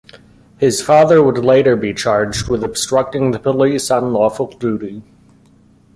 His father would later be charged with obstructing the police on lawful duty.